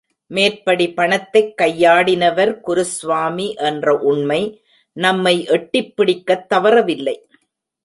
மேற்படி பணத்தைக் கையாடினவர் குருஸ்வாமி என்ற உண்மை நம்மை எட்டிப் பிடிக்கத் தவறவில்லை.